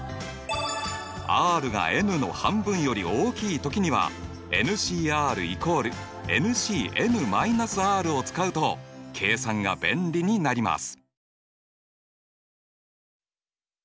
ｒがｎの半分より大きい時にはＣ＝Ｃを使うと計算が便利になります。